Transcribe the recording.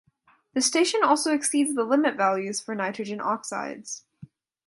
This station also exceeds the limit values for nitrogen oxides.